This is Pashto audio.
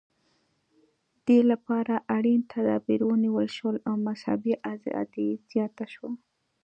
دې لپاره اړین تدابیر ونیول شول او مذهبي ازادي زیاته شوه.